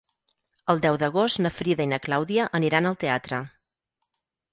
El deu d'agost na Frida i na Clàudia aniran al teatre.